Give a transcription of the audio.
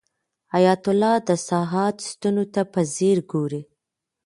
حیات الله د ساعت ستنو ته په ځیر ګوري.